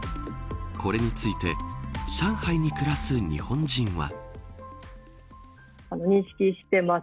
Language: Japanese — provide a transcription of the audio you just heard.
これについて上海に暮らす日本人は。